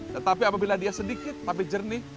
tetapi apabila dia sedikit tapi jernih